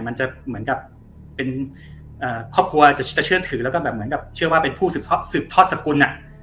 มันจะเหมือนกับเป็นครอบครัวจะเชื่อถือแล้วก็แบบเหมือนกับเชื่อว่าเป็นผู้สืบทอดสกุล